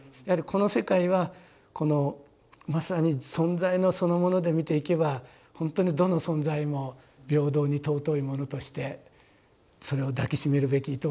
やはりこの世界はこのまさに存在のそのもので見ていけばほんとにどの存在も平等に尊いものとしてそれを抱きしめるべき